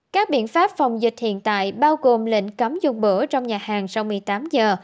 các biện pháp phòng dịch hiện tại bao gồm lệnh cấm dùng bữa trong nhà hàng sau một mươi tám giờ